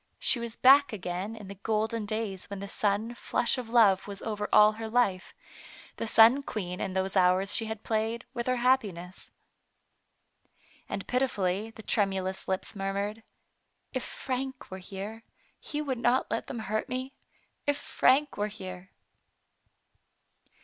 She was back again in the golden days when the sun flush of love was over all her life, and sun queen in those hours she had played with her happiness. And pitifully the tremulous lips murmured, " If Frank were here, he would not let them hurt me ; if Frank were here!"